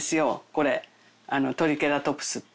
これトリケラトプスって。